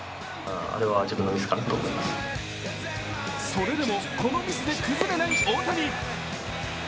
それでも、このミスで崩れない大谷。